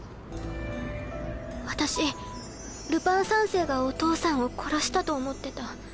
私ルパン三世がお父さんを殺したと思ってた。